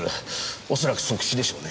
おそらく即死でしょうね。